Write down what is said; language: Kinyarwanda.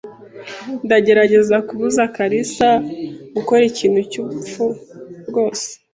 Ndagerageza kubuza kalisa gukora ikintu cyubupfu rwose.